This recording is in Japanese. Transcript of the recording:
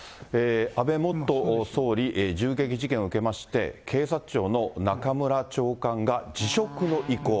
安倍元総理銃撃事件を受けまして、警察庁の中村長官が辞職の意向。